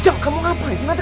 cepet kamu ngapain sih nanti